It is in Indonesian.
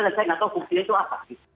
dan saya nggak tahu fungsinya itu apa